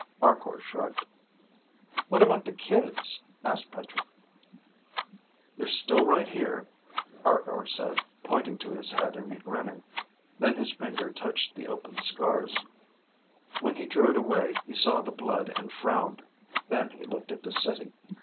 Arkor shrugged. "What about the kids?" asked Petra. "They're still right here," Arkor said, pointing to his head and grinning. Then his finger touched the opened scars. When he drew it away, he saw the blood and frowned. Then he looked at the City.